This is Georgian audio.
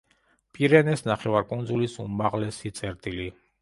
პირენეს ნახევარკუნძულის უმაღლესი წერტილი.